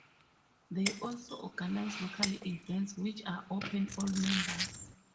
They also organize local events which are open all members.